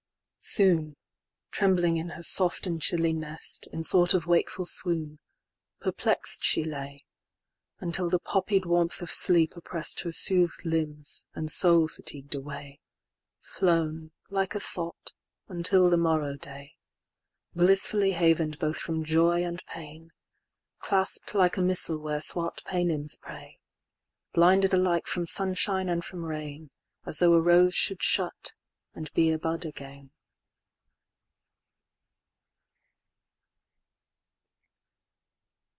XXVII.Soon, trembling in her soft and chilly nest, In sort of wakeful swoon, perplex'd she lay, Until the poppied warmth of sleep oppress'dHer soothed limbs, and soul fatigued away; Flown, like a thought, until the morrow day; Blissfully haven'd both from joy and pain; Clasp'd like a missal where swart Paynims pray; Blinded alike from sunshine and from rain, As though a rose should shut, and be a bud again.